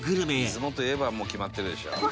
「出雲といえばもう決まってるでしょ」